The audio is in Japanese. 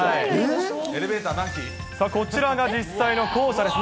こちらが実際の校舎です。